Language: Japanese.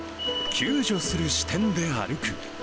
救助する視点で歩く。